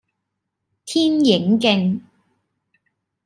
天影徑